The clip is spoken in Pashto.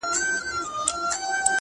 مينه كي هېره’